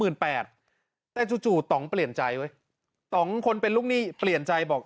มืนแปดแต่จู่จู่ตำเปลี่ยนใจไว้ตำคนเป็นุกหนี้เปลี่ยนใจบอก